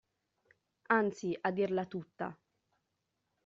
Anzi, a dirla tutta.